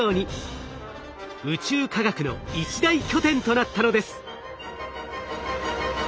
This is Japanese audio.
宇宙科学の一大拠点となったのです。